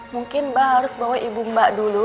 mungkin mbak harus bawa ibu mbak dulu